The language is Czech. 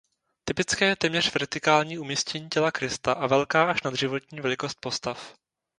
Typické je téměř vertikální umístění těla Krista a velká až nadživotní velikost postav.